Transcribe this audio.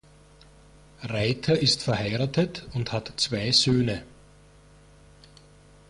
Reiter ist verheiratet und hat zwei Söhne.